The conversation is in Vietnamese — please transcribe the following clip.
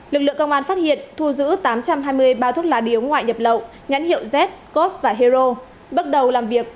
lực lượng công an phát hiện thu giữ tám trăm hai mươi ba thuốc lá điếu ngoại nhập lậu nhãn hiệu z scope và hero bắt đầu làm việc